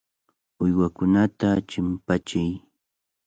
Uywakunata chimpachiy.